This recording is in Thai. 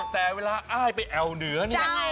แต่เวลาอ้ายไปแอวเหนือเนี่ย